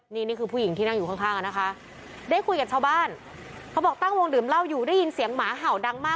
นี่นี่คือผู้หญิงที่นั่งอยู่ข้างอ่ะนะคะได้คุยกับชาวบ้านเขาบอกตั้งวงดื่มเหล้าอยู่ได้ยินเสียงหมาเห่าดังมาก